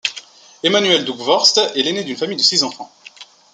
Emmanuel d'Hooghvorst est l'aîné d'une famille de six enfants.